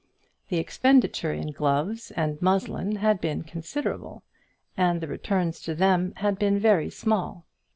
The expenditure in gloves and muslin had been considerable, and the returns to them had been very small.